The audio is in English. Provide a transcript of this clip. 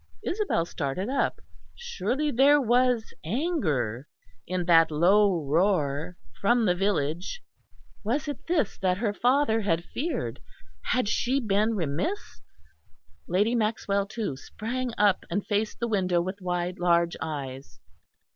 Isabel started up; surely there was anger in that low roar from the village; was it this that her father had feared? Had she been remiss? Lady Maxwell too sprang up and faced the window with wide large eyes.